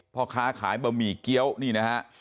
พ่อค้าขายบะหมี่เกี้ยวนี่นะฮะ